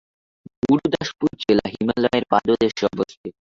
গুরুদাসপুর জেলা হিমালয়ের পাদদেশে অবস্থিত।